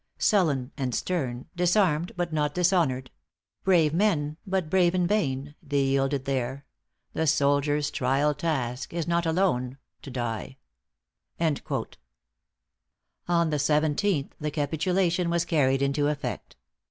= ```"Sullen and stern disarmed but not dishonored; ```Brave men but brave in vain they yielded there; ````The soldier's trial task ````Is not alone * to die.'"= On the seventeenth, the capitulation was carried into effect.